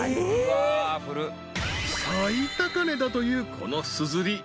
［最高値だというこのすずり。